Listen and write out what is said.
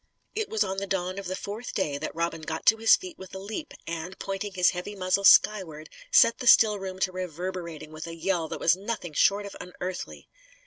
It was on the dawn of the fourth day that Robin got to his feet with a leap, and, pointing his heavy muzzle skyward, set the still room to reverberating with a yell that was nothing short of unearthly.